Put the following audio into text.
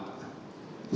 saya diberikan wang